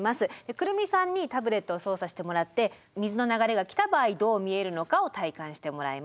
来美さんにタブレットを操作してもらって水の流れが来た場合どう見えるのかを体感してもらいます。